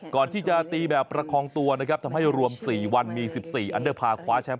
ก่อนที่จะตีแบบประคองตัวนะครับทำให้รวม๔วันมี๑๔อันเดอร์พาร์คว้าแชมป